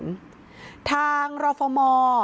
ทางรฟมอร์สั่งการให้โครงการยุติการดำเนินการนะคะ